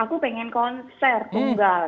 aku pengen konser tunggal